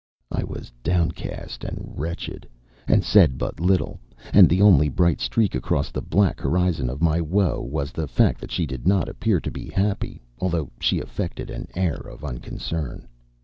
I was downcast and wretched, and said but little, and the only bright streak across the black horizon of my woe was the fact that she did not appear to be happy, although she affected an air of unconcern.